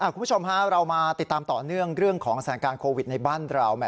คุณผู้ชมเรามาติดตามต่อเนื่องเรื่องของสถานการณ์โควิดในบ้านเรา